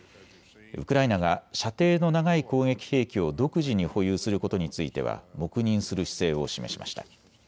ウクライナが射程の長い攻撃兵器を独自に保有することについては黙認する姿勢を示しました。